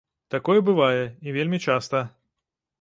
Такое бывае, і вельмі часта.